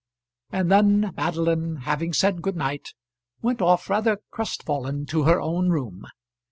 And then Madeline, having said good night, went off rather crestfallen to her own room.